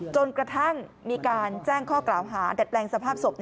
จนกระทั่งมีการแจ้งข้อกล่าวหาดัดแปลงสภาพศพ